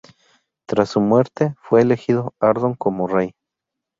Tras su muerte fue elegido Ardón como rey.